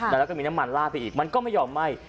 แล้วก็มีน้ำมันลาดไปอีกมันก็ไม่ยอมไหม้